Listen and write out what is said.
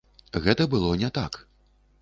Гэта было не так.